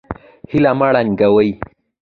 هیله مه ړنګوئ